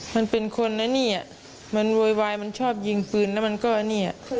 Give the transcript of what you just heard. มันเป็นคนนะนี่มันโวยวายมันชอบยิงปืนแล้วมันก็เนี่ย